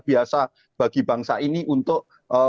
biasa bagi bangsa ini untuk